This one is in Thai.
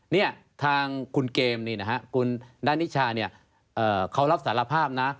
นี่ทางคุณเกมคุณด้านนิชชาเขารับสารภาพนะ